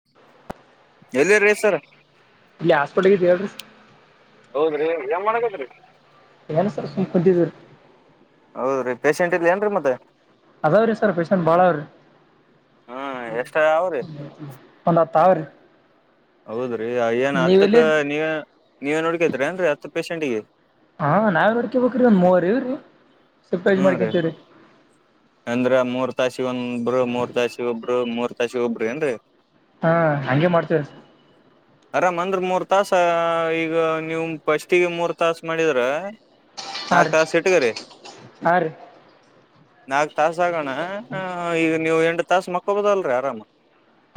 [inaudible] ಎಲ್ಲಿರಿ ಸರೆ. ಇ ಹಾಸ್ಪಿಟಲ್ ಗೆ [unintelligible] ಹೌದ್ರಿ ಏನ್ ಮಾಡಕತ್ರಿ. ಏನು ಸರ್ ಸುಮ್ ಕುಂತಿದೀರಿ. ಹೌದ್ರೀ ಪೇಶೆಂಟ್ ಇಲ್ಲ ಏನ್ರೀ ಮತ್ತ ಅದಾವ್ರಿ ಸರ್ ಪೈಸನ್ ಬಾಳ ಅವ್ರಿ. ಹಾ ಎಷ್ಟ ಅವ್ರಿ ಒಂದ ಹತ್ತ ಅವ್ರೀ. ಹೌದ್ರಿ ಏನ್ ಎಲ್ಲಿ ಹತ್ತಕ್ಕ ನೀವೇ ನೀವೇನ್ ನೋಡ್ಕೊತಿನ್ರಿ ಏನ್ರೀ ಹತ್ತ ಪೇೇಶೆಂಟಗ ಹಾ ನಾವ್ ನೋಡ್ಕ ಬೇಕ್ರೀ ಒಂದ ಮೂವರ್ ಇವ್ರೀ ಸಿಪ್ ವೈಸ್ ಹ್ಮ್ ರೀ ಮಾಡ್ಕೊಂತವ್ರರಿ. ಅಂದ್ರ ಮೂರ್ ತಾಸಿ ಒಂಬರು ಮೂರ್ ತಾಸಿ ಒಬ್ರು ಮೂರ್ ತಾಸಿ ಒಬ್ರ ಏನ್ರಿ. ಹಾ ಹಂಗೆ ಮಾಡ್ತೇವ್ರಿ. [inaudible] ಅರಾಮ ಅಂದ್ರ ಮೂರ್ ತಾಸ ಈಗ ನೀವ ಫಸ್ಟಿಗೆ ಮೂರ್ ತಾಸ ಮಾಡಿದ್ರ ಹಾ ನಾಕ್ ರೀ ತಾಸ ಇಟ್ಟಗರಿ ಹಾ ರೀ. ನಾಕ್ ತಾಸ ಆಗಣ ಈಗ ನೀವ ಎಂಟ ತಾಸ ಮಕ್ಕೊಬದಲ್ರರಿ ಆರಾಮ.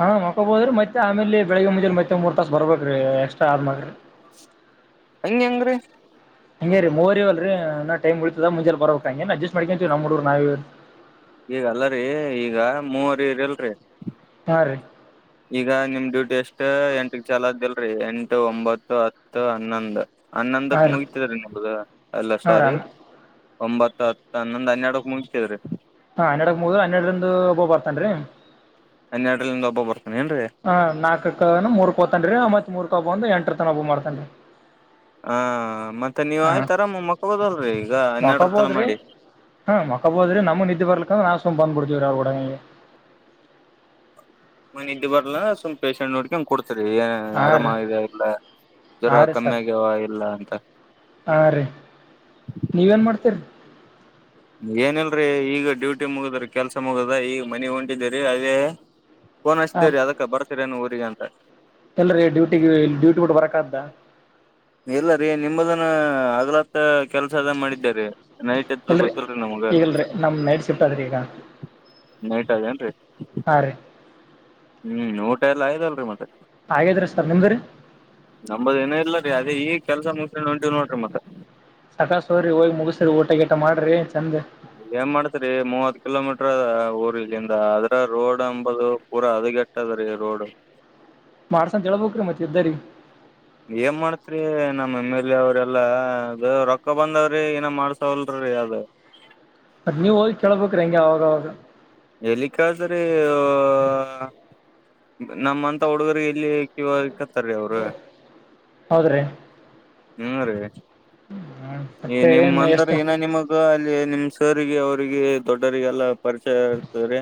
ಹಾ ಮಕೊಬೋದ್ರೀ ಮತ್ತೆ ಆಮೇಲ ಬೆಳಗ್ಗೆ ಮುಂಜಲಿ ಮತ್ತೆ ಮೂರ್ ತಾಸ್ ಬರ್ಬೇಕರೀ ಎಕ್ಸ್ಟ್ರಾ ಆದ್ಮಾಗ್ರರಿ ಹಂಗ್ಯಾಗ್ರಿ ಹಂಗ ರೀ ಮೂವರ ಇವಲ್ರಿ ನಾ ಟೈಮ್ ಉಳಿತದ ಮುಂಜೆ ಬರಬೇಕ ಹಂಗ ಅಡ್ಜಸ್ ಮಾಡಕಂತೀ ನ್ರ ನಾವೀ ಈಗಲ್ಲರಿ ಈಗ ಮೂವರ ಇರಿ ಇಲ್ರಿ ಹಾ ರೀ. ಈಗ ನಿಮ್ ಡ್ಯೂಟಿ ಅಷ್ಟ ಎಂಟ ಚಲ ಆತಲ್ರಿ ಎಂಟು ಒಂಬತ್ತು ಹತ್ತು ಹನ್ನೊಂದ ಹಾ ಹನ್ನೊಂದಕ ರೀ ಮುಗತಿದ್ರ ನಿಮ್ದ ಅಲ್ಲ ಹಾ ರೀ ಸಾರಿ ಒಂಬತ್ತ ಹತ್ತು ಹನ್ನೊಂದ ಹನ್ನೆರಡಕ ಮುಗತದ್ರೀ. ಹಾ ಹನ್ನೆಡಕ್ ಮುದ್ ಹನ್ನೆರಡರಿಂದ ಒಬ್ಬ ಬರ್ತನ್ರೀ. ಹನ್ನೆರಡ್ಲಿಂದ ಒಬ್ಬ ಬರ್ತಾನ ಏನ್ರಿ. ಹಾ ನಾಲ್ಕ ಮೂರ್ಕ ಹೋತಾನ್ರಿ ಮತ್ತ ಮೂರ್ಖ ಬಂದ ಎಂಟರ ತನ ಓಬ್ಬ ಮಾಡತನ್ರೀ. ಹ ಮತ್ತ ನೀವ ಹಾ ಆಯ್ತರಮ್ಮ ಮಕ್ಕಬೊದಲ್ರರಿ ಈಗ ಹನ್ನೆರಡರ ತನ ಮಕ್ಕೊಬೋದ್ರಿ ಮಾಡಿ ಹಾ ಮಕ್ಕೋಬೋದ್ರಿ ನಮ್ಮ ನಿದ್ದಿ ಬರ್ಲಿಕ್ಕ ಅಂದ್ರ ನಾವ ಸುಮ್ಮ ಬಂದ ಬಿಡ್ತೀವರಿ ಅವ್ರ ಗುಡನೆ ಮನೆ ಇದ್ದ ಬರ್ಲ್ಲ ಸುಮ್ಮ ಪೇಶೆಂಟ್ ನೋಡ್ಕ ಹಂಗ ಕೊಡ್ತರಿ ಹಾ ಆರಾಮ ರೀ ಆಗಿದೆ ಇಲ್ಲ ಹಾ ಜ್ವರ ಕಮ್ಮಿ ಆಗ್ಯಾವ ಇಲ್ಲ ಅಂತ ಹಾಂ ರೀ ನೀವೇನ ಮಾಡ್ತೀರಿ. ಏನಲ್ರಿ ಈಗ ಡ್ಯೂಟಿ ಮುಗದ್ರ ಕೆಲ್ಸ ಮುಗದ ಈಗ ಮನಿ ಹೊಂಟಿದಿರಿ ಅದೇ ಫೋನ್ ಹಾ ಹಚ್ತಿದೇರಿ ಅದಕ್ಕ ಬರ್ತಿರೇನ ಊರಿಗೆ ಅಂತ ಎಲ್ರಿ ಡ್ಯೂಟಿಗ ಡ್ಯೂಟಿ ಬಿಟ್ಟ ಬರಕ ಅತ್ತ ಇಲ್ಲ ರೀ ನಿಮ್ಮದನ ಆಗ್ಲ ಕೆಲ್ಸ ಅದ ಮಾಡಿದ ರ ನೈಟದ್ದ ಗೊತ್ತಿಲ್ರಿ ನಮ್ಗ ಇಲ್ರಿ ನಮ್ಮ ನೈಟ್ ಶಿಫ್ಟ್ ಆದರೀ ಈಗ ನೈಟ್ ಅದನ್ರಿ ಹಾಂ ರೀ ಹ್ಮ ಊಟ ಎಲ್ಲ ಆಯದಲ್ರರಿ ಮತ್ತ ಅಗೆದ್ರಿ ಸರ್ ನಿಮ್ದ್ರ ನಂಬದ ಇನ ಇಲ್ಲರಿ ಅದೇ ಈಗ ಕೆಲಸ ಮುಗಸ ಹೊಂಟಿ ನೋಡ್ರಿ ಮತ್ತ ಸಕಾಸ ಹೋರಿ ಹೋಗಿ ಮುಗಸ್ರಿ ಊಟ ಗಿಟ ಮಾಡ್ರಿ ಚಂದ ಏನ್ ಮಾಡ್ತರಿ ಮೂವತ್ತ ಕಿಲೋಮೀಟರ ಊರ ಇಲ್ಲಿಂದ ಅದ್ರ ರೋಡ್ ಅಂಬುದು ಪೂರ ಹದಗೆ ಟ್ಟದರೀ ರೋಡ್ ಮಾಡ್ಸ ಅಂತ ಹೇಳ್ಬೇಕರೀ ಮತ್ತ ಇದ್ದೀರೀ ಏನ್ ಮಾಡ್ತ್ರಿ ನಮ್ಮ ಎಮ್ ಎಲ್ ಎ ಅವ್ರ ಎಲ್ಲಾ ಅದು ರೊಕ್ಕ ಬಂದವ್ರಿ ಏನ ಮಾಡ್ಸವಲ್ರಿ ಅದ ಮತ್ತ ನೀವು ಹೋಗಿಕೆಳ್ಬೇಕ್ರೀ ಹೆಂಗೆ ಅವಾಗಾಗ ಎಲ್ಲಿಕ್ಕಾದ್ರೆ [unintelligible] ನಮ್ಮಂತ ಹುಡುಗರ್ ಎಲ್ಲಿ ಕ ಕತ್ತಾರೀ ಅವರು ಹೌದ್ರಿ ಹ್ಮ ರಿ ಹ್ಮ್ ಈ ಮತ್ತೆ ನಿಮ್ ಏನ್ ಅಂತರ ಎಷ್ಟ ಏನ ನಿಮಗ ಅಲ್ಲಿ ನಿಮ್ ಸರಿಗೆ ಅವ್ರಿಗೆ ದೊಡ್ಡರಿಗೆಲ್ಲ ಪರಿಚಯ ಇತೆ ರಿ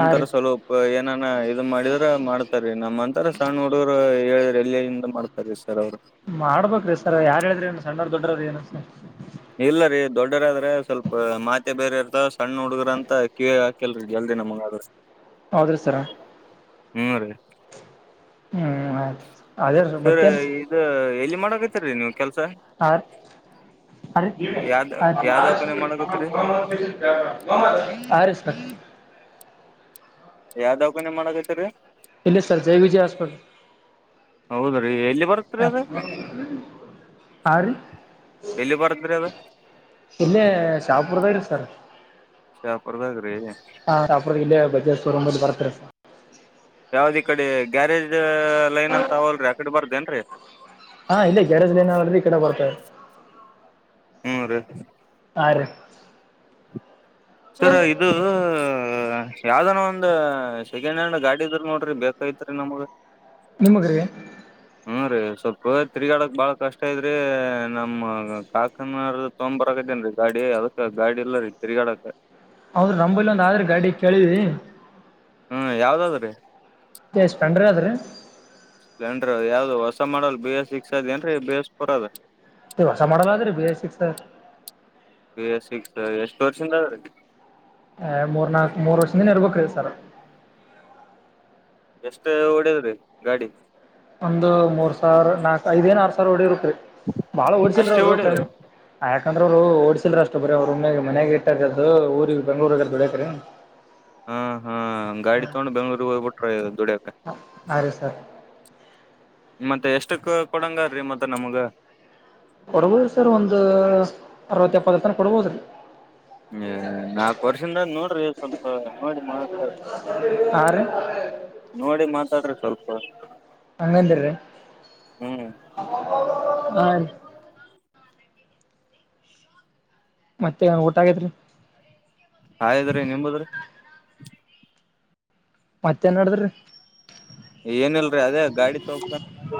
ಹಾ ರೀ ಸ್ಲ ಏನಾನ ಇದು ಮಾಡಿದ್ರ ಮಾಡ್ತಾರೀ ನಮ್ಮಂತರ ಸಣ್ಣ ಹುಡುಗರು ಹೇಳ ಎಲ್ಲಿಯಂದ ಮಾಡ್ತ ಅದು ಸರ್ ಅವರು ಮಾಡ್ಬೇಕ್ರಿ ಸರ್ ಯಾರ್ ಹೇಳ್ದ್ರೆ ಏನು ಸಣ್ಣವ ದೊಡ್ವ್ರ ಏನು ಸರ್ ಇಲ್ಲ ರೀ ದೊಡ್ಡರ ಆದ್ರೆ ಸ್ವಲ್ಪ ಮಾತೆ ಬೇರೆ ಇರ್ತವ ಸಣ್ಣ ಹುಡುಗ್ರ ಅಂತ ಕೀವಿಗ್ ಹಾಕಿಲ್ರಿ ಜಲ್ದಿ ನಮ್ಂಗ [inaudible] ಹೌದ್ರಿ ಸರ ಹ್ಮ್ ಆಯ್ತು ಅದೇ ಸರಿ ಮತ್ತೇನ್ ಇದ್ ಎಲ್ಲಿ ಮಾಡಕತಿರಿ ನೀವು ಕೆಲ್ಸ? ಆ ಯಾವ್ದ [unintelligible] ಯಾವ ದವಾಖಾನೆ [unintelligible] ಮಾಡಕತ್ತೀರಿ [unintelligible] [unintelligible] ಯಾವ್ದಾವ್ಖಾನಿ ಮಾಡಕತ್ರಿ? ಎಲ್ಲಿ ಸರ್ಜಾವಿಜಯಾ ಆಸ್ಪಟಲ್ ಹೌದ್ರಿ ಎಲ್ಲಿ ಬರುತ್ರಿ ಅದು ಹಾಂ ರೀ ಎಲ್ಲಿ ಬರತ್ರಿ ಅದು? ಇಲ್ಲೇ ಶಾಪುರಾದಾಗೆ ಸರ್ ಶಾಪುರದಾಗ್ರೀ ಹಾ ಶಾಪುರ್ ಇಲ್ಲ ಬಜಾಜ್ ಶೋ ರೂಮಲ್ಲಿ ಬರತ್ರಿ ಯಾವ್ದಿ ಇ ಕಡೆ ಗ್ಯಾರೇಜ್ ಲೈನ್ ಅಂತ ಅವಲ್ರಿ ಆಕಡೆ ಬರದೆನ್ರಿ ಹಾ ಇಲ್ಲೇ ಗ್ಯಾರೇಜ್ ಲೈನ್ ಅವಲ್ರಿ ಇ ಕಡೆ ಬರ್ತದೆ ಹೂ ರೀ ಆ ರಿ ಸರ್ ಇದು ಯಾವ್ದನ ಒಂದು ಸೆಕೆಂಡ್ ಹ್ಯಾಂಡ್ ಗಾಡಿ ಇದ್ರ ನೋಡ್ರಿ ಬೇಕೈತ್ರಿ ನಮ್ಗ್ ನಿಮಗ್ರೀ [inaudible] ಹ್ಮ ರೀ ಸ್ವಲ್ಪ ತಿರ್ಗಾಡಕ್ ಬಾಳ ಕಷ್ಟ ಐದ್ರಿ ನಮ್ಮ ಕಾಕಾರ ತೊಂಬ ಬರಕತೇನ್ ರಿ ಗಾಡಿ ಅದಕ್ಕ ಗಾಡಿ ಎಲ್ಲ ರೀ ತಿರ್ಗಾಡಕ ಹೌದುರು ನಮ್ಮಂಬೈಲಿ ಒಂದು ಆದ್ರೆ ಗಾಡಿ ಕೇಳವಿ ಹ್ಮ್ ಯಾವ್ದಾದ್ರೀ? ಎ ಸ್ಪೆಂಡ್ರ ಅದ್ರೀ ಸ್ಪೀಡೆರ್ ಯಾವ್ದ್ ಹೊಸ ಮಾಡಲ್ ಬಿ ಎಸ್ ಸಿಕ್ ಅದ ಏದ್ರಿ ಬಿಸ್ಫೋರ್ ಅದ ಹೊಸ ಮಾಡಲ್ಲಾದ್ರೀ ಬಿ ಎಸ್ ಐ ಸಿಕ್ಸ್ ಪ ಎಸ್ ಸಿಕ್ಸ್ ಎಷ್ಟು ವರ್ಷಿಂದ ಆದ್ರಿ ಮೂರ್ ನಾಲ್ಕ್ ಮೂರು ವರ್ಷದಿಂದ ಇರ್ಬೇಕ ರಿ ಸರ್ ಎಷ್ಟ ಹೊಡದ್ರೀ ಗಾಡಿ ಒಂದು ಮೂರ್ ಸಾವಿರ ನಾಕ್ ಐದ ಏನ್ ಆರ್ ಸಾವರ ಹೊಡಿರ್ಬೇಕ್ರಿ ಬಾಳ ಹೊಡಸಲ್ರ ಅಷ್ಟೇ ಅವರು ಹೊಡಿ ಕ ಯಾಕಂದ್ರ ಅವ್ರು ಓಡಸಲ್ರಿ ಅಷ್ಟ ಬರಿ ಅವ್ರುಮ್ಮೆ ಮಾನ್ಯಾಗ ಇಟ್ಟಕದದು ಊರಿಗೆ ಬೆಂಗ್ಳೂರ್ಗಾದರ ದುಡಿಯಕ್ರೀ ಹಾ ಹಾ ಗಾಡಿ ತೊಗೊಂಡು ಬೆಂಗ್ಳೂರಿಗಗ್ ಹೋಗ್ಬಿಟ್ರೆ ದುಡಿಯಕ ಅ ರಿ ಸರ್ ಮತ್ತೆ ಎಷ್ಟಕ್ ಕೊಡಂಗಾದರ್ರೀ ಮತ್ತೆ ನಮಗ ಕೊಡ್ಬೋದ್ರಿ ಸರ್ ಒಂದ್ ಅರವತ್ತ ಎಪ್ಪತ್ತರ ತನ ಕೊಡ್ಬೋದ್ರಿ ಹೇ ನಾಲ್ಕು ವರ್ಷದ ನೋಡ್ರಿ ಸ್ವಲ್ಪ ನೋಡಿ ಮಾಡ ಹಾರೀ ನೋಡಿ ಮಾತಾಡ್ರಿ ಸ್ವಲ್ಪ ಹಂಗಂತರಿ ಹ್ಮ್ ಹಾ ಮತ್ತೆ ಊಟ ಆಗ್ಯೇದ್ರಿ ಆಗ್ಯದ್ರಿ, ನಿಮ್ಮದ್ರಿ ಮತ್ತೇನ್ ನಡದ್ರಿ ಏನಲ್ರರಿ ಅದೇ ಗಾಡಿ ತಗೋ ಬೇಕಂತ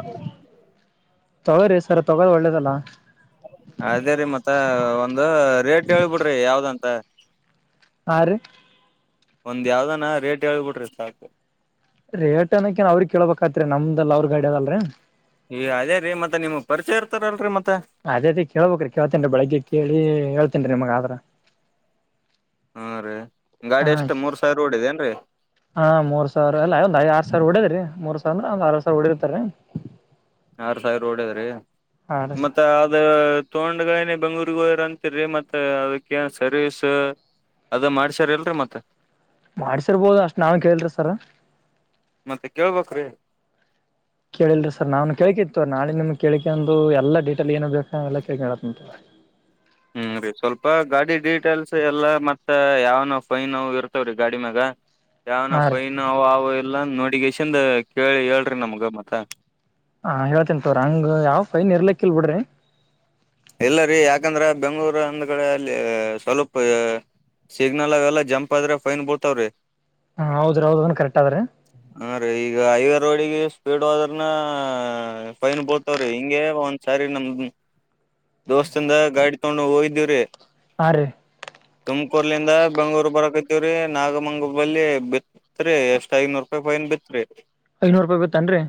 ತಗೋರಿ ಸರ್ ತಗೋದು ಒಳ್ಳೇದಲ್ಲಾ ಅದೇ ರೀ ಮತ್ತ ಒಂದು ರೇಟ್ ಹೇಳ್ಬಿಡ್ರಿ ಯಾವ್ ದಂತ ಆರೀ ಒಂದ್ ಯಾವ್ದಾನ ರೇಟ್ ಹೇಳ್ ಬಿಡರಿ ಸಾಕು ರೇಟ್ ಅನಕೇನ್ ಅವ್ರಗೆ ಕೇಳ್ಬೇಕ್ ಆತ್ರಿ ನಮ್ದಲ್ ಅವ್ರ ಗಾಡಿ ಅದಲ್ರರಿ ಈ ಅದೇ ರೀ ಮತ್ತೆ ನಿಮ್ ಪರಿಚಯ ಇರ್ತಾರಲ್ರರಿ ಮತ್ತ ಅದೇ ಅದೇ ಕೇಳ್ಬೇಕ ರೀ ಕೇಳ್ತೇನ್ ರೀ ಬೆಳಿಗ್ಗೆ ಕೇಳಿ ಹೇಳ್ತೇನ್ ರೀ ನಿಮಗ ಆದ್ರ ಹಾ ರೀ ಗಾಡಿ ಹಾ ಎಷ್ಟ ಮೂರು ಸಾವಿರ ಓಡಿದೇ ಏನ್ರೀ ಹಾ ಮೂರ್ ಸಾವಿರ ಎಲ್ಲಾ ಒಂದ್ ಐ ಆರ ಸಾವಿರಾ ಓಡೆದರಿ ಮೂರ್ ಸಾವಿರ ಒಂದ ಆರ ಸಾವಿರ ಓಡಿರ್ತಾರರಿ ಆರು ಸಾವಿರ ಓಡದ್ರೀ ಆರ್ ಸಾವಿರ ಮತ್ತೆ ಅದು ತಗೊಂಡ್ ಗಳೆನ ಬೆಂಗ್ಳೂರ್ ಗೆ ಹೋದರ ಅಂತರಿ ಮತ್ತ ಅದಕ್ಕೆ ಏನ ಸರ್ವಿಸ್ ಅದ ಮಾಡ್ಸರ್ ಇಲ್ರಿ ಮತ್ತ್ ಮಾಡ್ಸಿರ್ಬೋದು ಅಷ್ಟ್ ನಾವೇನ್ ಕೇಳ್ರಿ ಸರ್ ಮತ್ತೆ ಕೇಳಬೇಕ್ರಿ ಕೇಳಲ್ರಿ ಸರ್ ನಾವುನು ಕೇಳಿಕಿತ್ತುವ ನಾಳೆ ನಿಮ್ಗೆ ಕೇಳಿಕ ಅಂದು ಎಲ್ಲಾ ಡಿಟೆಲ್ ಏನು ಬೇಕಾ ಎಲ್ಲಾ ಕೇಳಿ ಹೇಳ ತಿಂತನ ಹ್ಮ್ ರೀ ಸ್ವಲ್ಪ ಗಾಡಿ ಡೀಟೇಲ್ಸ್ ಎಲ್ಲಾ ಮತ್ತ ಯಾವನಾವ್ ಫೈನ್ ಇರ್ತವ್ರೀ ಗಾಡಿ ಮ್ಯಾಗ ಯಾವನ ಹಾ ರೀ ಫೈನ್ ಅವ ಅವ ಇಲ್ಲ ನೋಡಗೇಶನ್ ಕೇಳಿ ಹೇಳ್ರಿ ನಮ್ಗ ಮತ್ತ ಹಾ ಹೇಳಿತೇನ್ ತೋರಿ ಹಂಗ ಯಾವ ಫೈನ್ ಇರ್ಲಿಕ್ಕಲ್ ಬಿಡ್ರಿ ಇಲ್ಲರಿ ಯಾಕಂದ್ರ ಬೆಂಗ್ಗಳೂರು ಅಂದ್ ಗಳೇ ಅಲ್ಲಿ ಸ್ವಲ್ಪ ಸಿಗ್ನಲ್ ಅವೆಲ್ಲಾ ಜಂಪ್ ಆದ್ರೆ ಫೈನ್ ಬೀಳ್ತಾವ್ರಿ ಹಾ ಹೌದ್ರ ಹೌದನ್ ಕರೆಕ್ಟ್ ಅದ್ರಿ ಹಾ ರೀ ಈಗ ಹೈವೇ ರೋಡಿಗೆ ಸ್ಪೀಡ್ ಹೋದ್ರನ ಫೈನ್ ಬಿಳ ವ್ರಿ ಹಿಂಗೆ ಒಂದ್ ಸಾರಿ ನಮ್ದ ನಮ್ಮ ದೋಸ್ತದ ಗಾಡಿ ತೊಗೊಂಡು ಹೋಗಿದ್ದೀವ್ರೀ ಹಾ ರಿ ತುಮಕೂರು ಲಿಂದ ಬೆಂಗಳೂರು ಬರಕತಿವ್ರೀ ನಾಗಮಂಗಲ್ಲಿ ಬಲಿ ತ್ರಿ ಎಷ್ಟ್ ಐನೂರು ರೂಪಾಯಿ ಪೈನ್ ಬಿತ್ ರೀ ಐದನೂರ ರೂಪಾಯಿ ಬಿತ್ತ ಅನ್ರಿ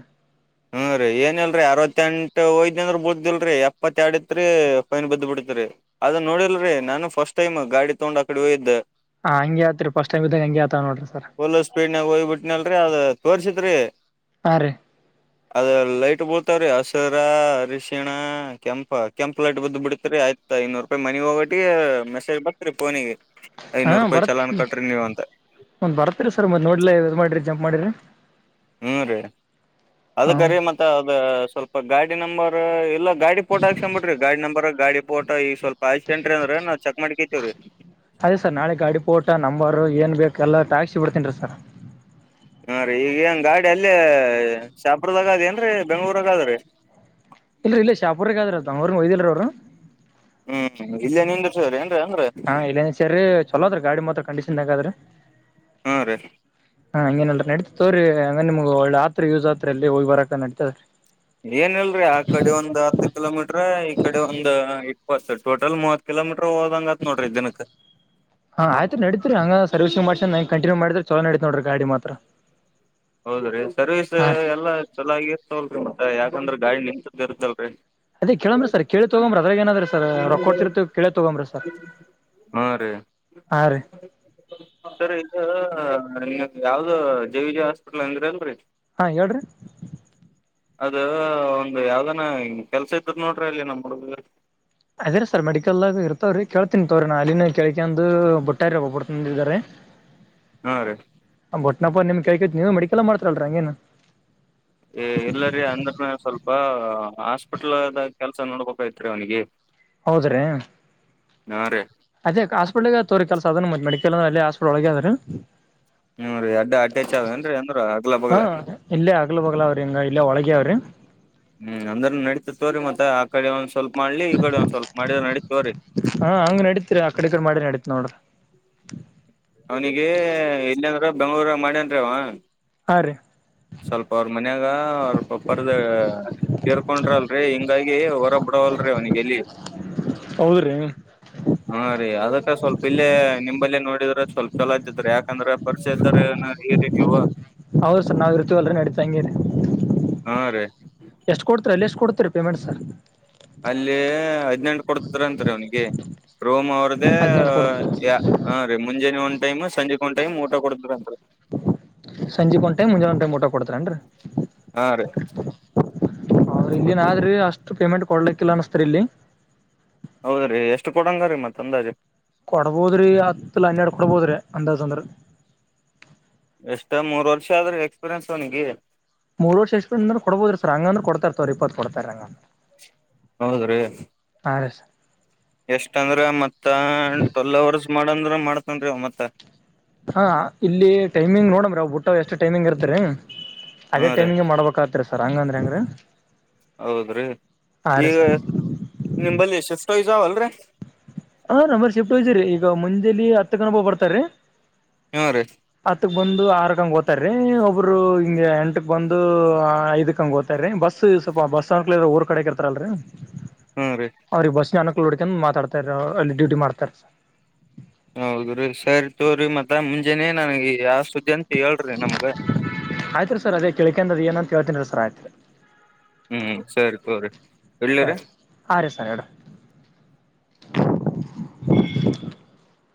ಹುಂ ರಿ ಏನಲ್ರರಿ ಅರ್ವತ್ತೆಂಟು ಹೊಯಿತ್ ಅಂತ ಅಂದ್ರ ಬಿಳುದ್ದಿಲ್ರರಿ ಎಪ್ಪತ್ತ ಎರಡ ತ್ರಿ ಫೈನ್ ಬಿದ್ದ ಬಿಡ್ತರಿ ಅದ ನೋಡಿಲ್ರರಿ ನಾನು ಫಸ್ಟ್ ಟೈಮ್ ಗಾಡಿ ತಗೊಂಡ್ ಆ ಕಡೆ ಹೊಯ್ದ್ ಹಾಂ ಹಂಗೆ ಆತ್ರಿ ಪಸ್ಟ್ ಟೈಮ್ ಇದ ಹಂಗೆ ಆತವ ನೋಡ್ರಿ ಫುಲ್ ಸ್ಪೀಡ್ ನಾಗ ಹೋಗ್ಬಿಟ್ಟನಲ್ರರಿ ಅದು ತೋರ್ಸಿತ್ರಿ. ಹಾ ರಿ ಅದ ಲೈಟ್ ಬಿಳ್ತಾವ್ರೀ ಹಸಿರ ಅರಿಶಿಣ ಕೆಂಪಾ ಕೆಂಪ್ ಲೈಟ್ ಬಿದ್ದ ಬಿಡ್ತ್ರಿ ಆಯ್ತಾ ಐನ್ನೂರು ರೂಪಾಯಿ ಮನಿಗಿ ಹೋಗೋಟ್ಟಿಗೆ ಮೆಸೇಜ್ ಬತರೀ ಫೋನಿಗೆ ಹಾ ಐನೂರು ರೂಪಾಯ್ ಬರತ್ ಚಲಾನ್ ಕಟ್ಟ್ರಿ ನೀವ್ ಅಂದ. ಒಂದ್ ಬರ್ತ್ರಿ ಸರ್ ಮ್ ನಡ್ಲೇ ಇದ್ ಮಾಡ್ರರಿ ಜಂಪ್ ಮಾಡಿರಿ. ಹ್ಞೂ ರೀ ಹಾ ಅದಕ ರೀ ಮತ್ತೆ ಅದು ಸ್ವಲ್ಪ ಗಾಡಿ ನಂಬರ್ ಎಲ್ಲ ಗಾಡಿ ಪೊಟೋ ಹಾಕುಸ್ಕೋಂಬಿಡ್ರಿ ಗಾಡಿ ನಂಬರ್ ಗಾಡಿ ಪೊಟೊ ಈಗ ಸ್ವಲ್ಪ ಹಾಕ್ಸ್ ಕಂಡ್ರೆ ನಾವು ಚಕ್ ಮಾಡ್ಕೊಂತೀವ್ರಿ. ಅದೇ ಸರ್ ನಾಳೆ ಗಾಡಿ ಪೋಟ ನಂಬರ್ ಏನು ಬೇಕ ಎಲ್ಲ ಹಾಕ್ಸಿ ಬಿಡ್ತೀನಿ ರೀ ಸರ ಹಾ ರೀ ಈಗ ಏನ್ ಗಾಡಿ ಅಲ್ಲೇ ಶಾಪುರದಾಗ ಅದ ಏನ್ ರಿ ಬೆಂಗ್ಳೂರಾಗ ಆದ್ರೀ. ಇಲ್ರಿ ಇಲ್ಲಿ ಶಾಪುರ್ಗ ಅದಂತ ಅವ್ರು ಕೊಯ್ದಿಲ್ರಿ ಅವ್ರು. ಹ್ಮ್ ಇಲ್ಲೇ ನಿಂದ್ರಸ ಎನ್ರಿ ಅಂದ್ರೆ. ಹಾ ಇಲ್ಲ ಸರಿ ಚಲೋದ ರೀ ಗಾಡಿ ಮಾತ್ರ ಕಂಡೀಷನ್ ಹದ್ರೀ. ಹಾ ರೀ. ಹಾ ಹಂಗೇನ್ ಇಲ್ರಿ ತೋಗರಿ ಹಂಗ ನಿಮ್ಗ್ ಒಳ್ಳ ಆತ್ರ ಯೂಸ್ ಆತ್ರ ಎಲ್ಲಿ ಹೋಗಿ ಬರಕ ನಡತದರಿ. ಏನ್ ಇಲ್ರಿ ಆ ಕಡೆ ಒಂದ್ ಹತ್ತು ಕಿಲೋಮೀಟ್ರ ಈ ಕಡೆ ಒಂದ್ ಇಪ್ಪತ್ತು ಟೋಟಲ್ ಮೂವತ್. ಕಿಲೋಮೀಟ್ರು ಓದಂಗತ್ ನೋಡ್ರಿ ದಿನಕ. ಹಾ ಆಯ್ತ್ರಿ ನಡತ್ರಿ ಹಂಗ ಸರ್ವಿಸಿಂಗ್ ಮಾಡ್ಸ್ ನೆ ಕಂಟಿನ್ಯೂ ಮಾಡುದ್ರೆ ಚಲೋ ನಡಿತ್ ನೋಡ್ರಿ ಗಾಡಿ ಮಾತ್ರ. ಹೌದ್ರಿ ಸರ್ವಿಸ್ ಹಾ ರೀ ಎಲ್ಲಾ ಚೆನ್ನಾಗಿ ಇರ್ತವಲ್ರಿ ಮತ್ತೆ ಯಾಕಂದ್ರ ಗಾಡಿ ನಿಂತದ ಇರ್ತಲ್ರರಿ. ಅದೇೇ ಕೇಳನ ಸರ್ ಕೇಳಿ ತಗೊ ಬರದ ಏನಾದ್ರ ಸರ್ ಕೊಡ್ತಿರ್ತಿವಿ ಕೇಳಿ ತಗೊಂಬ್ರಿ ಸರ್. ಹಾ ಆ ರಿ ಸರಿ ಇದು ನಿ ಯಾವ್ದ ಜೆ ವಿಜಿ ಹಾಸ್ಪಿಟಲ್ ಅಂದ್ರ ಅಲ್ರಿ. ಹಾ ಹೇಳ್ರಿ. ಅದ ಒಂದ್ ಯಾವ್ದಾನ ಕೆಲ್ಸ ಇದ್ರ ನೋಡ್ರಿ ಅಲ್ಲಿ ನಮ್ಮ್ ಹುಡುಗ - ಅದೇರ ಸರ್ ಮೆಡಿಕಲ್ ಆಗ ಇರ್ತವ್ರೀ ಕೇಳ್ತಿನಿ ತಗೊವ್ರೀ ನಾ ಅನ ಕೇಳ್ಕಂಡು [unintelligible] ಹಾ ರೀ ಬಟ್ನಪ್ಪ ನಿಮ್ ಕೈ ಕೈತಿ ನೀವು ಮೆಡಿಕಲ್ ಮಾಡ್ತಿರಲ್ರಿ ಹಂಗೇನ. ಎ ಇಲ್ಲರಿ ಅಂದ್ರ ನಾ ಸ್ವಲ್ಪ ಹಾಸ್ಪಿಟಲ್ದಾಗ್ ಕೆಲ್ಸ ನೋಡ್ಬೇಕ್ ಐತ್ ರಿ ಅವ್ನಿಗೆ. ಹೌದ್ರಿ. ಹಾ ರಿ. ಅದೇ ಹಾಸ್ಪಿಟ್ಲಾಗ್ ತೋ ರಿ ಕೆಲಸ ಅದ ಮೆಡಿಕಲ್ ಹಾಸ್ಪಿಟ್ಲ್ ಒಳಗೆದ್ರೀ, ಹ್ಮ್ ರೀ ಅಡ್ಡ ಅಟ್ಯಾಚ್ ಅವೇನ್ರಿ ಅಂದ್ರ ಅಗ್ಲ ಹಾ ಬಗ್ಲ ಇಲ್ಲೇ ಅಗ್ಲ ಬಗ್ಲ ಅವ್ರಿ ಹಿಂಗ ಇಲ್ಲೇ ಒಳಗೆ ಅವ್ರಿ. ಹ್ಮ್ ಅಂದ್ರ ನಡೀತತ್ ತೋಗರಿ ಮತ್ತೆ ಆ ಕಡೆ ಒಂದ್ ಸ್ವಲ್ಪ ಮಾಡ್ಲಿ ಈ ಕಡೆ ಒಂದ್ ಸ್ವಲ್ಪ ಮಾಡಿದ್ರ ನಡಿತದ್ ತಗೊರಿ. ಹಾ ಹಂಗ ನಡಿತರ ಆ ಕಡೆ ಇಕಡೆ ಮಾಡಿ ನಡಿತ್ ನೋಡು. ಅವ್ನಿಗೆ ಇಲ್ಲಂದ್ರ ಬೆಂಗ್ಳೂರ ಮಾಡ್ಯನ್ ರಿ ಅವ. ಆ ರಿ. ಸ್ವಲ್ಪ ಅವ್ರು ಮನ್ಯಾಗ ಅವ್ರ ಪಪ್ಪರ್ದ ತರ್ಕೊಂಡಲ್ರರಿ ಹಿಂಗಾಗಿ ಹೊರ ಬಿಡವಲ್ರೀ ಅವನಿಗೆಲ್ಲಿ. ಹೌದ್ರಿ. ಹಾ ರೀ ಅದಕ್ಕ ಸ್ವಲ್ಪ ಇಲ್ಲೇ ನಿಂಬಲ್ಲಿ ನೋಡಿದ್ರೆ ಸ್ವಲ್ಪ ಚಲೋ ಇದ್ದತ್ ರಿ ಯಾಕಂದ್ರ. ಪರ್ಷೆ ಇದ್ದಾರ [unintelligible] ಹೀರಿ ನೀವು. ಹೌದ್ ಸರ್ ನಾವ್ ಇರ್ತಿವಲ್ಲ ನಡೀತಾ ಹಂಗೇನೆ. ಹಾ ರೀ. ಎಷ್ಟು ಕೊಡ್ತೀರಿ ಅಲ್ಲಿ ಎಷ್ಟು ಕೊಡ್ತೀರಿ ಪೇಮೆಂಟ್ ಸರ್ ಅಲ್ಲಿ ಹದ್ನೆಂಟು ಕೊಡ್ತ ಅಂತ್ರಿ ಅವ್ನಿಗೆ ರೋ ಮು ಅವ್ರ್ ದೆ. ಹದ್ನೆಂಟು ಕೊಡ್ತರಿ ಹಾ ದಿ ಮುಂಜಾನೆ ಒನ್ ಟೈಮ ಸಂಜೆ ಒಂದ್ ಟೈಮ ಊಟ ಕೊಡದ್ರರಿ. ಸಂಜೆ ಒಂದ್ ಟೈಮ್ ಮುಂಜಾನೆ ಒಂದು ಟೈಮ್ ಊಟ ಕೊಡ್ತಾರೇನ್ರೀ. ಹಾ ರೀ ಹೌದ್ರ ಇಲ್ಲಿನ್ ಆದ್ರಿ ಅಷ್ಟು ಪೇಮೆಂಟ್ ಕೊಡ್ಲಿಕ್ಕಿಲ್ಲ ಅನ್ನುಸ್ತಾರ್ ಇಲ್ಲಿ. ಹೌದ್ರೀ ಎಷ್ಟ ಕೊಡಂಗಾರೀ ಮತ್ತ ಅಂದಾಜ್ ಕೊಡ್ಬೋದ್ರಿ ಹತ್ಲಿ ಹನ್ನೆರಡ ಕೊಡ್ಬೋದ್ರಿ ಅಂದಾಜ್ ಅಂದ್ರ ಎಷ್ಟ ಮೂರ್ ವರ್ಷ ಆದ್ರಿ ಎಕ್ಸ್ಪೀರಿಯನ್ಸ್ ಅವನಿಗಿ ಮೂರ್ ವರ್ಷ ಎಕ್ಸ್ಪೀರಿಯನ್ಸ್ ಅಂದರ ಕೊಡಬಹುದರಿ ಸರ್ ಹಂಗಂದ್ರ ಕೊಡ್ತಾರತೋರಿ ಇಪ್ಪತ್ತು ಕೊಡ್ತಾರರಿ ಹಂಗಂದ್ರ ಹೌದ್ರೀ ರೀ ಸರ್ ಎಷ್ಟಂದ್ರ ಮತ್ತ ಟ್ವೆಲ್ ಅವರ್ಸ್ ಮಾಡಂದ್ರ ಮಾಡ್ತನ್ರಿ ಅವ ಮತ್ತ್ ಹಾ ಇಲ್ಲಿ ಟೈಮಿಂಗ್ ನೋಡಮ್ರಿ ಅವ ಬುಟ್ಟವ ಎಷ್ಟ್ ಟೈಮಿಂಗ್ ಇರ್ತಿದ್ರಿ ಅದೇ ಹಾ ರೀ ಟೈಮಿಂಗ್ ಮಾಡ್ಬೇಕತ್ರಿ ಸರ್ ಹಂಗಂದ್ರ ಹೆಂಗ್ರೀ ಹೌದ್ರಿ ಈಗ ನಿಮಬಲ್ಲಿ ಸ್ವಿಫ್ಟ್ ವೈಸಾವಲ್ಲರಿ ಹ್ ನಂಬಲ್ಲಿ ಶಿಫ್ಟ್ ವೈಸೆರಿ ಈಗ ಮುಂಜೆಲಿ ಹತ್ ಕನ ಒಬ್ಬ ಬರ್ತಾರೀ ಹ್ಮ್ ರೀ ಹತ್ತಕ್ ಬಂದು ಆರ್ ಕಂಗ ಓತಾರೀ ಒಬ್ಬರು ಹಿಂಗ ಎಂಟಕ್ ಬಂದು ಐದಕಂಗ್ ಓತ ರಿ ಬಸ್ ಸ್ವಲ್ಪ ಬಸ್ ಅನುಕೂಲ ಇರಬೇಕ ಊರ ಕಡೆಕ ಇರ್ತರಲ್ರರಿ ಹ್ಮ್ ರೀ ಅವ್ರಿಗ ಬಸಿನ ಅನುಕೂಲ ನೋಡಕೆಂಡ್ ಮಾತಾಡ್ತಾರಿ ಅವರು ಅಲ್ಲಿ ಡ್ಯೂಟಿ ಮಾಡ್ತಾರಿ ಸರ್ ಹೌದ್ರೀ ಸರಿ ತೋರಿ ಮತ್ತ ಮುಂಜೆನಿ ನನಗ ಯಾವ ಸುದ್ದಿ ಅಂತ ಹೇಳ್ರಿ ನಮ್ಗ ಆಯ್ತ್ರಿ ಸರ್ ಅದೇ ಕೆಳಕೆಂದ ಅದ ಏನಂತ ಹೇಳ್ತೀನಿ ರೀ ಸರ್ ಆಯ್ತ್ರಿ ಹ್ಮ್ ಸರಿ ತೋರಿ ಇಡ್ಲಿರಿ ಹ ರೀ ಸರ್ ಇಡ್ರಿ